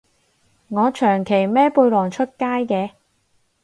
我長期孭背囊出街嘅